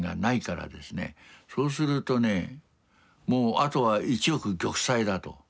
そうするとねもうあとは一億玉砕だと。